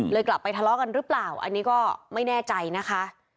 กลับไปทะเลาะกันหรือเปล่าอันนี้ก็ไม่แน่ใจนะคะ